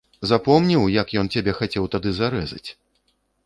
Запомніў, як ён цябе хацеў тады зарэзаць?